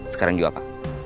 sekarang juga pa